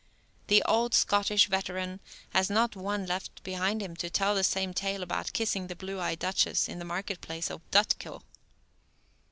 The old Scottish veteran has not one left behind him to tell the same tale about kissing the blue eyed duchess in the market place of Dutkill.